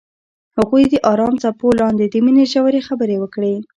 هغوی د آرام څپو لاندې د مینې ژورې خبرې وکړې.